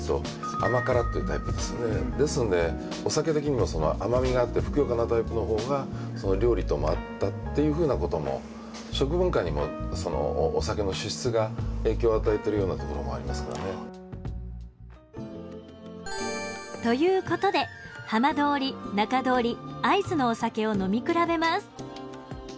甘辛っていうタイプですのでお酒的にもその甘みがあってふくよかなタイプの方が料理とも合ったっていうふうなことも食文化にもお酒の酒質が影響を与えているようなところもありますからね。ということで浜通り中通り会津のお酒を飲み比べます。